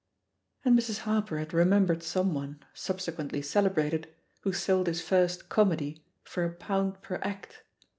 '* And Mrs. Harper had remembered someone, subsequently celebrated, who sold his first comedy for a pound per act.